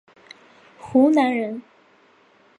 湖南人。